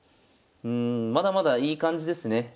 うんまだまだいい感じですね。